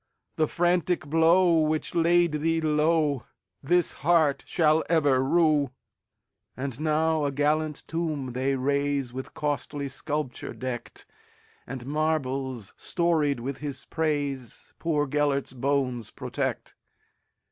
The frantic blow which laid thee lowThis heart shall ever rue."And now a gallant tomb they raise, With costly sculpture decked; And marbles storied with his praisePoor Gêlert's bones protect.